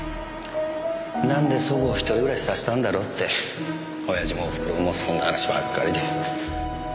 なんで祖母を一人暮らしさせたんだろうって親父もおふくろもそんな話ばっかりで。